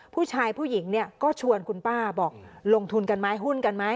ผู้หญิงเนี่ยก็ชวนคุณป้าบอกลงทุนกันไหมหุ้นกันไหม